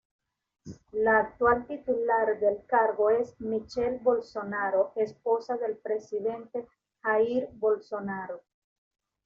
La actual titular del cargo es Michelle Bolsonaro, esposa del presidente Jair Bolsonaro.